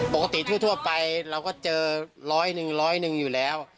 ปกติทั่วไปเราก็เจอร้อยหนึ่งร้อยหนึ่งอยู่แล้ว